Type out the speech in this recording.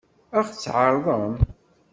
Ad ɣ-tt-tɛeṛḍem?